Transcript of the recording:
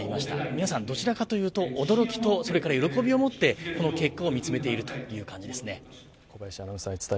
皆さんどちらかというと驚きと喜びを持ってこの結果を見つめているという感じです。